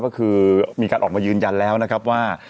ก็คือมีการออกมายืนยันแล้วนะครับว่า